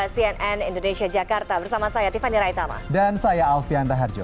cnn indonesia jakarta bersama saya tiffany raitama dan saya alfian raharjo